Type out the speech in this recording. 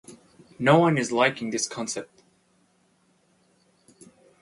No one is liking this concept.